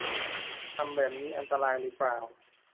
ทำแบบนี้อันตรายหรือเปล่า